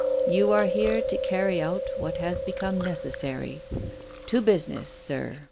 You are here to carry out what has become necessary. To business, sir.